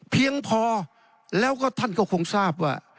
เพียงพอแล้วก็ท่านก็คงทราบว่า